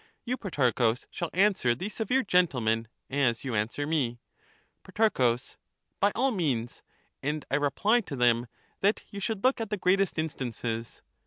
You, Protarchus, shall answer these ^^^J|[^ severe gentlemen as you answer me. Pro. By all means, and I reply to them, that you should look at the greatest instances.